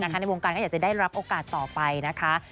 ในวงการก็อยากจะได้รับโอกาสต่อไปนะคะ